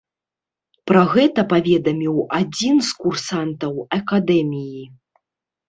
Пра гэта паведаміў адзін з курсантаў акадэміі.